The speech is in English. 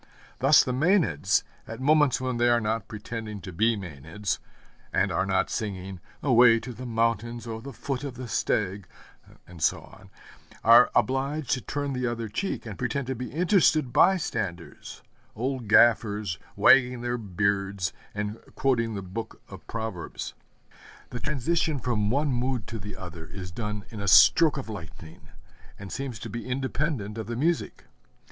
Thus the Mænads, at moments when they are not pretending to be Mænads, and are not singing, 'Away to the mountains, O the foot of the stag,' and so on, are obliged to turn the other cheek, and pretend to be interested by standers old gaffers, wagging their beards, and quoting the book of Proverbs. The transition from one mood to the other is done in a stroke of lightning, and seems to be independent of the music.